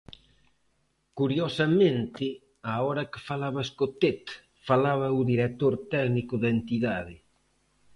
Curiosamente á hora que falaba Escotet falaba o director técnico da entidade.